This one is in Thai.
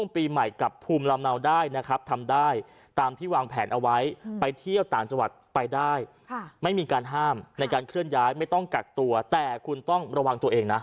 ไปเที่ยวต่างจังหวัดไปได้ไม่มีการห้ามในการเคลื่อนย้ายไม่ต้องกักตัวแต่คุณต้องระวังตัวเองนะ